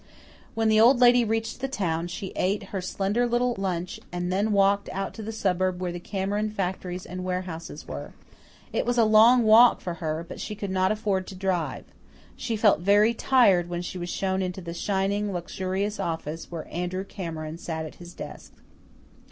When the Old Lady reached the town, she ate her slender little lunch and then walked out to the suburb where the Cameron factories and warehouses were. It was a long walk for her, but she could not afford to drive. She felt very tired when she was shown into the shining, luxurious office where Andrew Cameron sat at his desk.